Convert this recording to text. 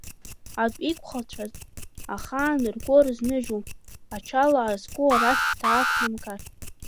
Адә иқәхацәаз ахаан рдәы рызныжьуам, ачалаа зку арахь даақәнамгалар.